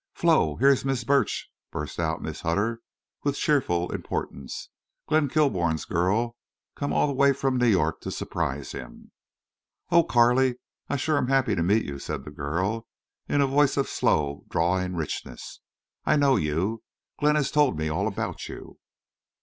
"Flo, here's Miss Burch," burst out Mrs. Hutter, with cheerful importance. "Glenn Kilbourne's girl come all the way from New York to surprise him!" "Oh, Carley, I'm shore happy to meet you!" said the girl, in a voice of slow drawling richness. "I know you. Glenn has told me all about you."